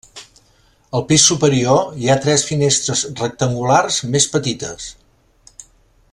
Al pis superior hi ha tres finestres rectangulars més petites.